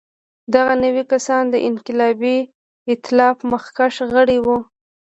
دغه نوي کسان د انقلابي اېتلاف مخکښ غړي وو.